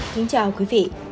xin chào quý vị